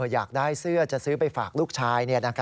อยากได้เสื้อจะซื้อไปฝากลูกชาย